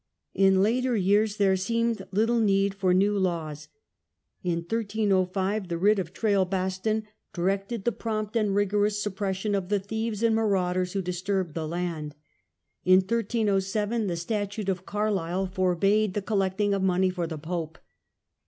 In later years there seemed Jittle need fof ne^ laws. In 1305 the writ of *Trailbaston' THE MODEL PARLIAMENT, 87 directed the prompt and rigorous suppression of the thieves and marauders who disturbed the land. In 1307 the ^Statute of Carlisle forbade the collecting of money for the pope.